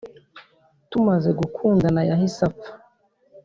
tumaze gukundana yahise apfa